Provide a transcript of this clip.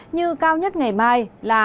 nhiệt độ cũng nhích tăng lên